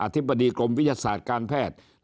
ธิบดีกรมวิทยาศาสตร์การแพทย์